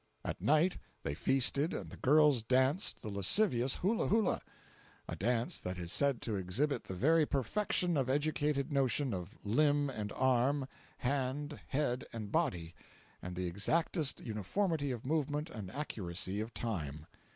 At night they feasted and the girls danced the lascivious hula hula—a dance that is said to exhibit the very perfection of educated notion of limb and arm, hand, head and body, and the exactest uniformity of movement and accuracy of "time."